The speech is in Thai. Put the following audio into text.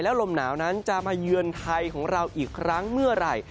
ลมหนาวนั้นจะมาเยือนไทยของเราอีกครั้งเมื่อไหร่